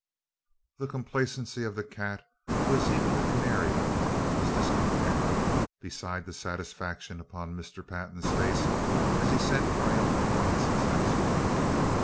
The complacency of the cat who has eaten the canary was discontent beside the satisfaction upon Mr. Pantin's face as he sent triumphant glances at his wife.